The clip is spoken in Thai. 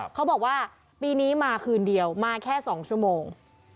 เขาบอกว่าปีนี้มาคืนเดียวมาแค่๒ชั่วโมง